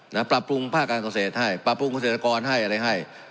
ปรับปรุงภาคการเกษตรให้ปรับปรุงเกษตรกรให้อะไรให้